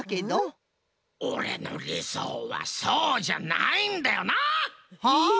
オレのりそうはそうじゃないんだよな！はあ？